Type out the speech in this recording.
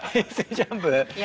ＪＵＭＰ？